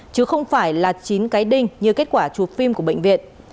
chứ không phải là chín cái đinh như kết quả chụp phim của bệnh viện